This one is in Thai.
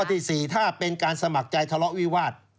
ที่๔ถ้าเป็นการสมัครใจทะเลาะวิวาส